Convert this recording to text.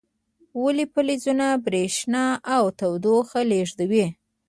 ولې فلزونه برېښنا او تودوخه لیږدوي؟